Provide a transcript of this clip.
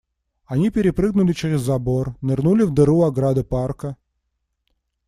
Они перепрыгнули через забор, нырнули в дыру ограды парка.